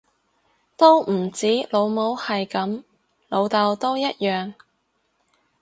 都唔止老母係噉，老竇都一樣